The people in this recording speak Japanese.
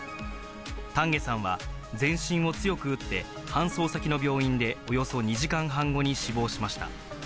丹下さんは全身を強く打って、搬送先の病院で、およそ２時間半後に死亡しました。